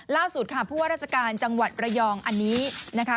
ล่าสุดค่ะผู้ว่าราชการจังหวัดระยองอันนี้นะคะ